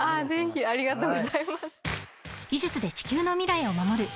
ありがとうございます。